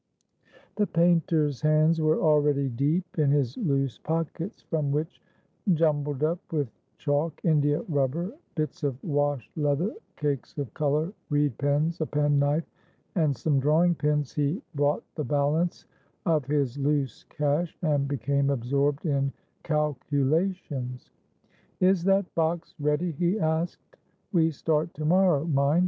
The painter's hands were already deep in his loose pockets, from which, jumbled up with chalk, india rubber, bits of wash leather, cakes of color, reed pens, a penknife, and some drawing pins, he brought the balance of his loose cash, and became absorbed in calculations. "Is that box ready?" he asked. "We start to morrow, mind.